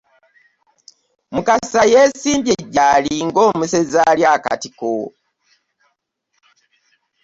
Mukasa yesimbye ggyaali ng'omusezi alya akatiko.